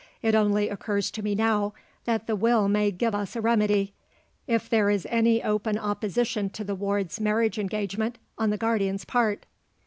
"It only occurs to me now that the Will may give us a remedy if there is any open opposition to the ward's marriage engagement, on the guardian's part."